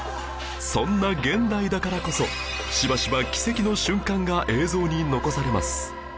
そんな現代だからこそしばしば奇跡の瞬間が映像に残されます